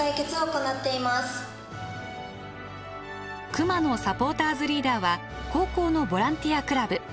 Ｋｕｍａｎｏサポーターズリーダーは高校のボランティアクラブ。